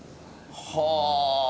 はあ。